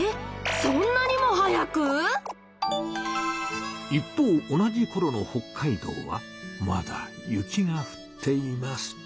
そんなにも早く⁉一方同じころの北海道はまだ雪がふっています。